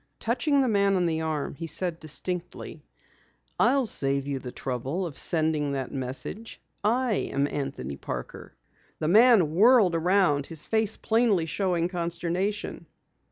Touching the man on the arm, he said distinctly: "I'll save you the trouble of sending that message. I am Anthony Parker." The man whirled around, his face plainly showing consternation.